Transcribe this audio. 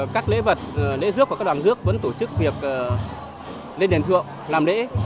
các lễ vật lễ dước và các đoàn rước vẫn tổ chức việc lên đền thượng làm lễ